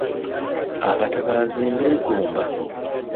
Abatabaazi mbeegoomba.